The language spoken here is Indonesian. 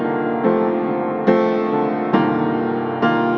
aku gak dengerin kata kata kamu mas